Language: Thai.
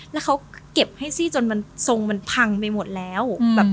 แล้วเขาเก็บให้ซี่จนมันทรงมันพังไปหมดแล้ว